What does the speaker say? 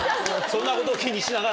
そんなことを気にしながら。